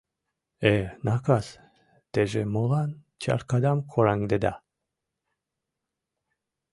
Э, накас, теже молан чаркадам кораҥдеда?